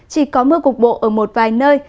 chỉ có mưa cục bộ ở một vài nơi